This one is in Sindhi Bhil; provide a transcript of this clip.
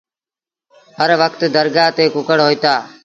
هر وکت درگآه تي ڪُڪڙهوئيٚتآ۔